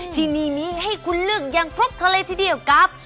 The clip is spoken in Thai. ที่นี่นี้ให้คุณเลือกยังพรบทะเลที่เดียวกับ